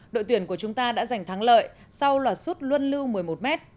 đội tuyển của chúng ta đã giành thắng lợi sau loạt suốt luân lưu một mươi một m